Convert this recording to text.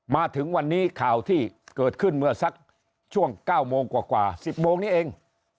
มาถึงวันนี้ข่าวที่เกิดขึ้นเมื่อสักช่วง๙โมงกว่า๑๐โมงนี้เอง